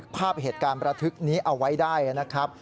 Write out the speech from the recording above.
ภาพเหตุการณ์ประทึกนี้เอาไว้ได้นะครับ